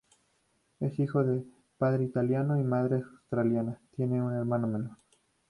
Es hijo de padre italiano y madre australiana, tiene un hermano menor.